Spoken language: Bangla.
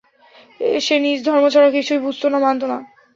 সে নিজ ধর্ম ছাড়া কিছুই বুঝত না, মানত না।